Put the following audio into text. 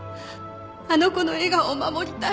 あの子の笑顔を守りたい